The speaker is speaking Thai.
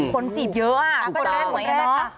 คนจีบเยอะอะตาเป็น๑แล้วก็มี๑นะคะ